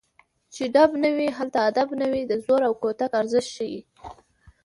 چې ډب نه وي هلته ادب نه وي د زور او کوتک ارزښت ښيي